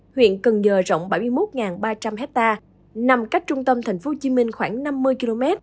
huyện cần giờ rộng bảy mươi một ba trăm linh hectare nằm cách trung tâm tp hcm khoảng năm mươi km